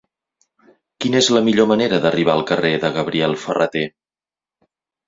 Quina és la millor manera d'arribar al carrer de Gabriel Ferrater?